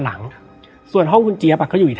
และวันนี้แขกรับเชิญที่จะมาเชิญที่เรา